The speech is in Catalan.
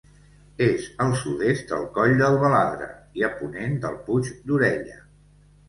És al sud-est del Coll del Baladre i a ponent del Puig d'Orella.